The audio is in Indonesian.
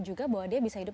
juga bahwa dia bisa hidup